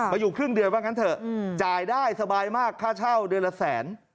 อยู่ครึ่งเดือนว่างั้นเถอะจ่ายได้สบายมากค่าเช่าเดือนละแสน